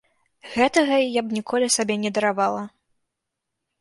Гэтага я б ніколі сабе не даравала.